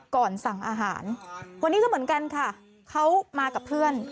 ก่อนสั่งอาหารวันนี้ก็เหมือนกันค่ะเขามากับเพื่อน